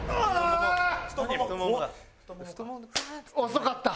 遅かった。